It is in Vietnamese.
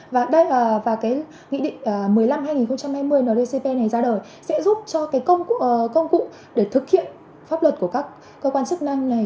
và nghị định một mươi năm hai nghìn hai mươi nldcp này ra đời sẽ giúp cho công cụ để thực hiện pháp luật của các cơ quan chức năng này